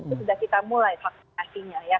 itu sudah kita mulai vaksinasinya ya